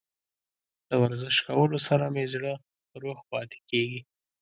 د ورزش کولو سره مې زړه روغ پاتې کیږي.